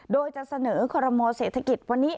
โดยจะเสนอคอรมอเศรษฐกิจวันนี้